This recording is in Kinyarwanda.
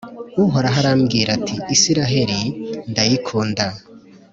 uhoraho arambwira ati «israheli, ndayikunda